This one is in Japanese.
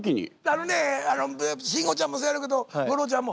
あのね慎吾ちゃんもそうやろうけど吾郎ちゃんも。